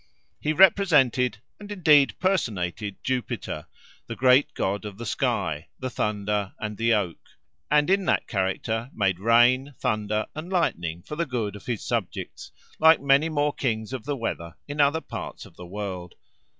He represented and indeed personated Jupiter, the great god of the sky, the thunder, and the oak, and in that character made rain, thunder, and lightning for the good of his subjects, like many more kings of the weather in other parts of the world.